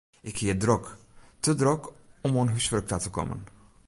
Ik hie it drok, te drok om oan húswurk ta te kommen.